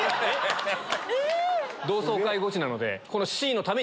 同窓会ゴチなので。